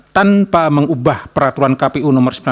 tanpa mengubah peraturan kpu nomor sembilan belas